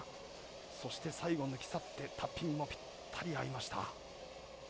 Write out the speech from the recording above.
そして、最後抜きさってタッピングもぴったり合いました。